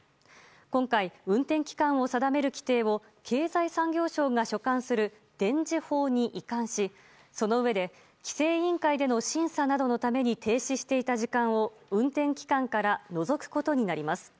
今回、運転期間を定める規定を経済産業省が所管する電事法に移管しそのうえで規制委員会での審査などのために停止していた時間を運転期間から除くことになります。